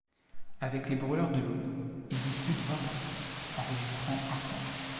Avec les Brûleurs de loups, il dispute vingt parties, enregistrant un point.